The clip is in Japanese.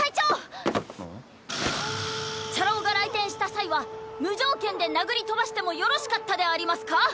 チャラ男が来店した際は無条件で殴り飛ばしてもよろしかったでありますか？